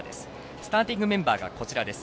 スターティングメンバーです。